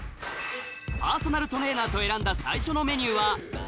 パーソナルトレーナーと選んだ最初のメニューははい。